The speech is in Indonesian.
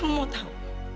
kamu mau tau